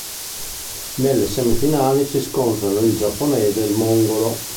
Nelle semifinali si scontrano il giapponese e il mongolo.